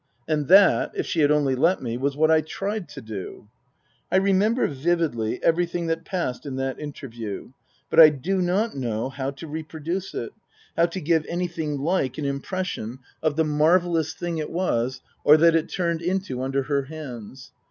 And that if she had only let me was what I tried to do. I remember vividly everything that passed in that interview, but I do not know how to reproduce it, how to give anything like an impression of the marvellous 5* 68 Tasker Jevons thing it was, or that it turned into under her hands.